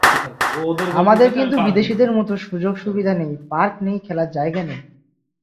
আমাদের কিন্তু বিদেশের মতো সুযোগ-সুবিধা নেই, পার্ক নেই, খেলার জায়গা নেই।